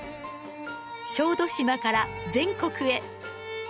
小豆島から全国へ。